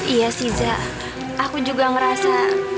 iya sih za aku juga ngerasa